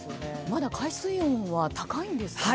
まだ海水温は高いんですか？